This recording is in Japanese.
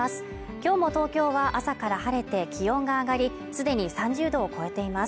今日も東京は朝から晴れて気温が上がりすでに３０度を超えています